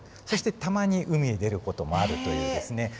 そしてたまに海へ出る事もあるというですね